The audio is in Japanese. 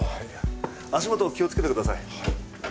足もと気をつけてください。